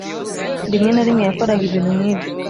(rimwe na rimwe yakoraga ibintu nk'ibyo)